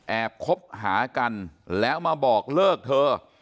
คบหากันแล้วมาบอกเลิกเธอ